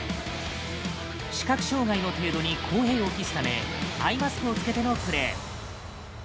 視覚障がいの程度に公平を期すためアイマスクをつけてのプレー。